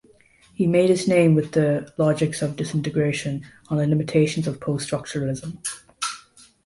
He made his name with the "Logics of Disintegration", on the limitations of post-structuralism.